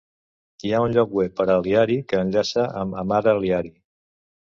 Hi ha un lloc web per a Lyari que enllaça amb Hamara Lyari.